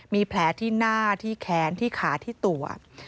มีแผลที่หน้าที่แขนที่ขาที่ตัว